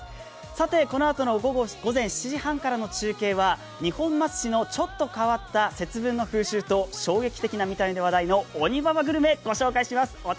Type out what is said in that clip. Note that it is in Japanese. このあとの午前７時半からの中継は二本松市のちょっと変わった節分の風習と衝撃的な見た目で話題のオニババグルメを紹介します。